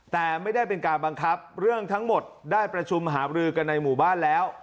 แต่ไม่ได้เป็นการบังคับเรื่องทั้งหมดได้ประชุมหาบรือกันในหมู่บ้านแล้ว